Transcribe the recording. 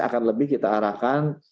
akan lebih kita arahkan